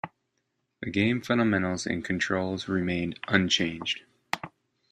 The game fundamentals and controls remained unchanged.